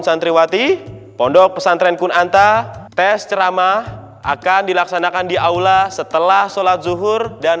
santriwati pondok pesantren kunanta tes ceramah akan dilaksanakan di aula setelah sholat zuhur dan